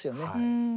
うん。